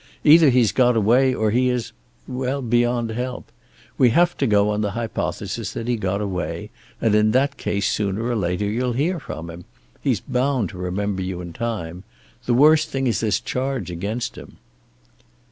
Either he's got away, or he is well, beyond help. We have to go on the hypothesis that he got away, and in that case sooner or later you'll hear from him. He's bound to remember you in time. The worst thing is this charge against him."